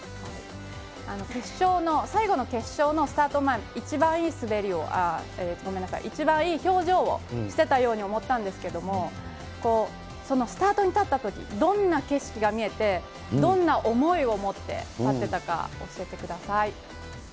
決勝の、最後の決勝のスタート前、一番いい滑りを、ごめんなさい、一番いい表情をしてたように思ったんですけども、そのスタートに立ったとき、どんな景色が見えて、どんな思いを持って立ってたか、教えてください。